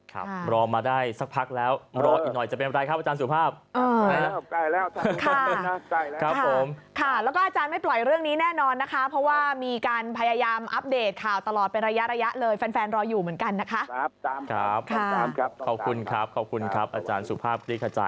ครับรอมาได้สักพักแล้วรออีกหน่อยจะเป็นอะไรครับอาจารย์สุภาพ